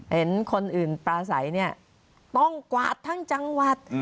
เห็นคนอื่นปลาใสเนี่ยต้องกวาดทั้งจังหวัด